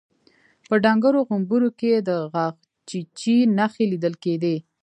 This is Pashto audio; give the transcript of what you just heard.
په ډنګرو غومبرو کې يې د غاښچيچي نښې ليدل کېدې.